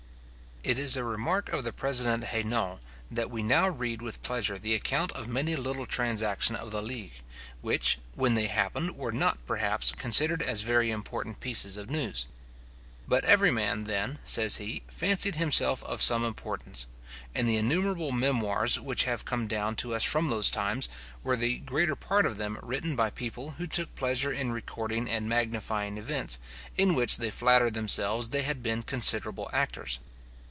It is a remark of the President Heynaut, that we now read with pleasure the account of many little transactions of the Ligue, which, when they happened, were not, perhaps, considered as very important pieces of news. But everyman then, says he, fancied himself of some importance; and the innumerable memoirs which have come down to us from those times, were the greater part of them written by people who took pleasure in recording and magnifying events, in which they flattered themselves they had been considerable actors.